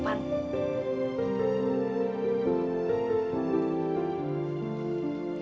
sekarang aku ya pa